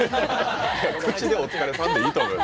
口で「お疲れさん」でいいと思う。